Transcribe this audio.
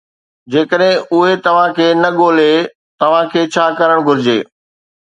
جيڪڏهن اهي توهان کي نه ڳولي، توهان کي ڇا ڪرڻ گهرجي؟